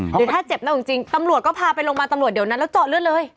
หรือถ้าเจ็บแน่จริงตำรวจก็พาไปโรงพยาบาลตำรวจเดี๋ยวนั้นแล้วเจาะเลือดเลย